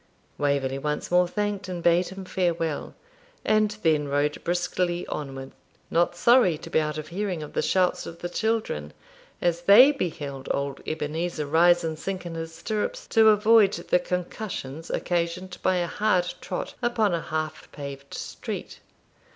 Waverley once more thanked and bade him farewell, and then rode briskly onward, not sorry to be out of hearing of the shouts of the children, as they beheld old Ebenezer rise and sink in his stirrups to avoid the concussions occasioned by a hard trot upon a half paved street.